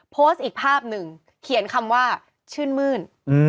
โพสต์อีกภาพหนึ่งเขียนคำว่าชื่นมื้น